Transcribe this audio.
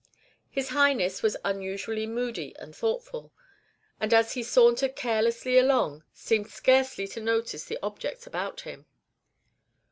His Highness was unusually moody and thoughtful, and as he sauntered carelessly along, seemed scarcely to notice the objects about him.